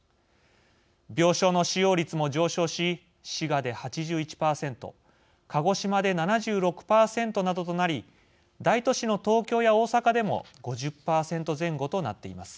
病床の使用率も上昇し滋賀で８１％鹿児島で７６％などとなり大都市の東京や大阪でも５０％前後となっています。